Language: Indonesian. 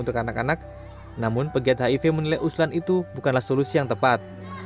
untuk anak anak namun pegiat hiv menilai usulan itu bukanlah solusi yang tepat